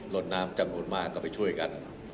รถน้ำจำนวนมากก็ไปช่วยกัน